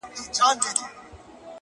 o د زلفو بڼ كي د دنيا خاوند دی ـ